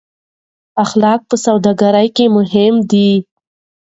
اخلاق په سوداګرۍ کې مهم دي.